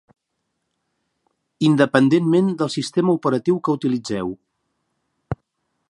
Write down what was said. Independentment del sistema operatiu que utilitzeu.